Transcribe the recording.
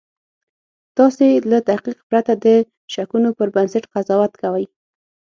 تاسې له تحقیق پرته د شکونو پر بنسټ قضاوت کوئ